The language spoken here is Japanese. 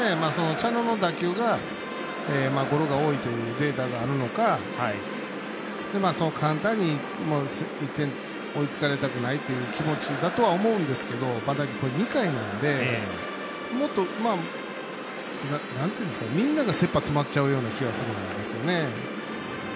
茶野の打球がゴロが多いというデータがあるのか簡単に１点追いつかれたくないっていう気持ちだとは思うんですけどまだ２回なんでみんなが切羽詰っちゃうような感じがするんですよね。